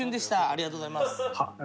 ありがとうございます。